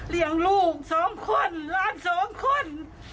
เรียงลูกสองคนหลานสองคน